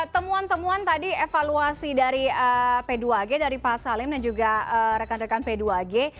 temuan temuan tadi evaluasi dari p dua g dari pak salim dan juga rekan rekan p dua g